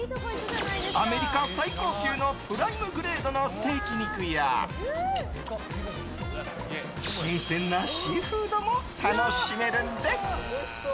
アメリカ最高級のプライムグレードのステーキ肉や新鮮なシーフードも楽しめるんです。